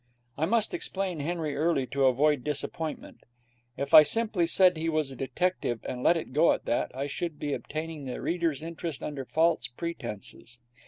I must explain Henry early, to avoid disappointment. If I simply said he was a detective, and let it go at that, I should be obtaining the reader's interest under false pretences.